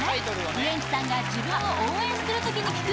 ウエンツさんが自分を応援する時に聴く